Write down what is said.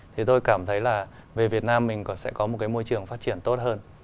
thì tôi cảm thấy là về việt nam mình sẽ có một cái môi trường phát triển tốt hơn